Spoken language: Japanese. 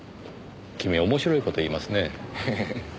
君面白い事言いますねぇ。